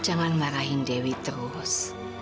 jangan marahin dewi terus